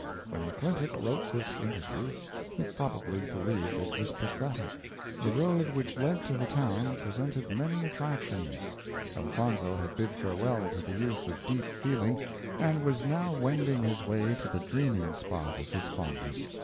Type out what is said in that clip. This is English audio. When McClintock wrote this interview he probably believed it was pathetic. The road which led to the town presented many attractions Elfonzo had bid farewell to the youth of deep feeling, and was now wending his way to the dreaming spot of his fondness.